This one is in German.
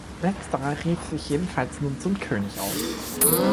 Letzterer rief sich jedenfalls nun zum König aus.